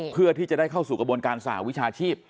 เพื่อที่จะได้เข้าสู่กระบวนการสหวิชาชีพ